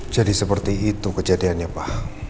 jadi seperti itu kejadiannya pa